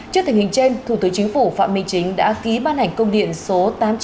trước tình hình trên thủ tướng chính phủ phạm minh chính đã ký ban hành công điện số tám trăm chín mươi